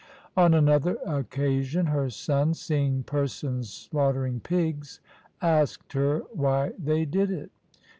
'" On another occasion, her son, seeing persons slaughter ing pigs, asked her why they did it.